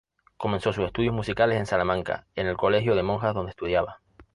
Comenzó sus estudios musicales en Salamanca, en el colegio de monjas donde estudiaba.